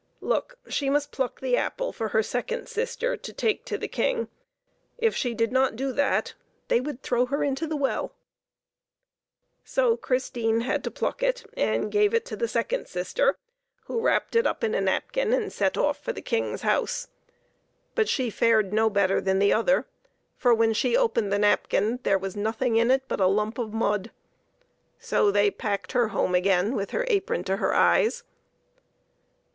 Look ! she must pluck the apple for the second sister to take to the King; if she did not do that they would throw her into the well. and Chrlfne i So Christine had to pluck it, and gave it to the second sister, who wrapped it up in a napkin and set off for the King's house. But she fared no better than the other, for, when she opened the napkin, there was nothing in it but a lump of mud. So they packed her home again with her apron to her eyes.